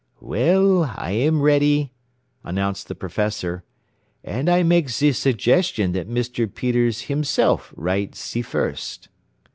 "Well, I am ready," announced the professor. "And I make ze suggestion that Mr. Peters himself write ze first."